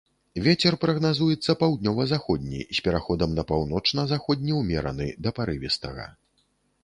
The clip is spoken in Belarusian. Вецер прагназуецца паўднёва-заходні з пераходам на паўночна-заходні ўмераны да парывістага.